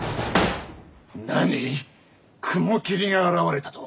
何雲霧が現れたと！？